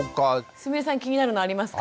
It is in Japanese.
すみれさん気になるのありますか？